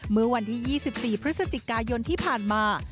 เมื่อวันที่๒๔พฤศจิกายนที่ผ่านมา